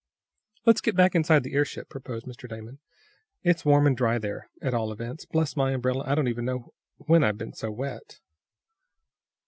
"Let's get back inside the ship," proposed Mr. Damon. "It's warm and dry there, at all events. Bless my umbrella, I don't know when I've been so wet!"